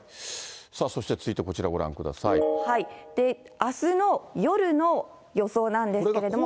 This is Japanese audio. そして続いてこちら、あすの夜の予想なんですけれども。